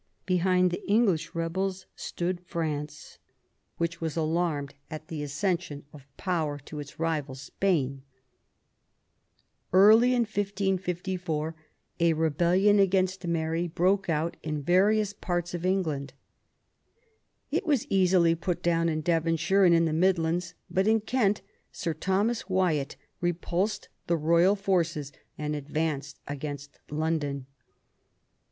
Behind the English rebels stood France, which was alarmed at the accession of power to its rival, Spain. Early in I554> a rebellion against Mary broke out in various parts of England. It was easily put down in Devon shire and in the Midlands, but in Kent Sir' Thomas Wyatt repulsed the Royal forces and advanced against London.